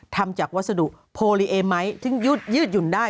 ทำจากวัสดุโพลิเอไหมถึงยืดหยุ่นได้